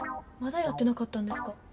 まだやってなかったんですか？